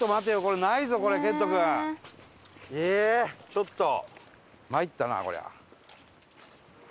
ちょっと参ったなこりゃ。